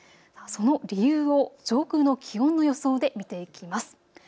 その理由を上空の気温の予想で見ていきます。